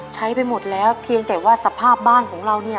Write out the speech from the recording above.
ใช้ไปหมดแล้วแค่สภาพบ้านของเรานี่